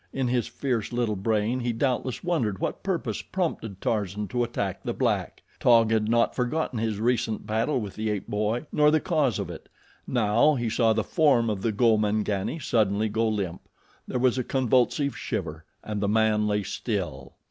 In his fierce little brain he doubtless wondered what purpose prompted Tarzan to attack the black. Taug had not forgotten his recent battle with the ape boy, nor the cause of it. Now he saw the form of the Gomangani suddenly go limp. There was a convulsive shiver and the man lay still.